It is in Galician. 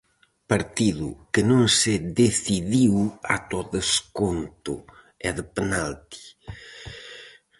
Partido que non se decidiu ata o desconto, e de penalti.